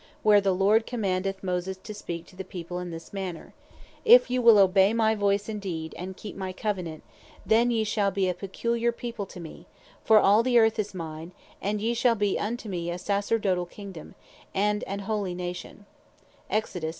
5.) where the Lord commandeth Moses to speak to the people in this manner, "If you will obey my voice indeed, and keep my Covenant, then yee shall be a peculiar people to me, for all the Earth is mine; and yee shall be unto me a Sacerdotall Kingdome, and an holy Nation."